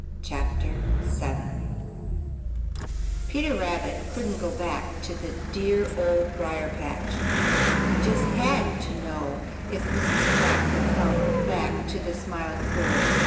QUACK RETURNS Peter Rabbit just couldn't go back to the dear Old Briar patch. He just HAD to know if Mrs. Quack would come back to the Smiling Pool.